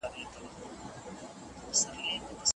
افغان استادان د لوړو زده کړو پوره حق نه لري.